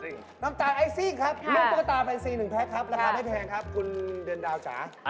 น้ำตาลไอซิ่งครับลูกตุ๊กตาเป็นซี๑แพ็คครับราคาไม่แพงครับคุณเดือนดาวจ๋า